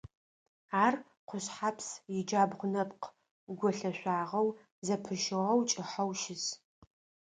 Ар Къушъхьэпс иджабгъу нэпкъ голъэшъуагъэу зэпыщыгъэу кӀыхьэу щыс.